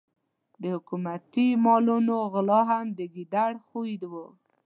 د حکومتي مالونو غلا هم د ګیدړ خوی وو.